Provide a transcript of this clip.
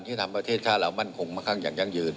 ที่ทำประเทศชาติเรามั่นคงมาข้างอย่างยั่งยืน